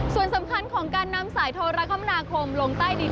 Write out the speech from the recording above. ส่วนสำคัญของการนำสายโทรคมนาคมลงใต้ดิน